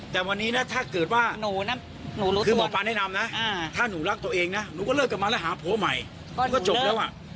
แต่วันนี้นะถ้าเกิดว่าคือหมอปลาแนะนำนะถ้าหนูรักตัวเองนะหนูก็เลิกกลับมาแล้วหาผัวใหม่ก็จบแล้วอ่ะ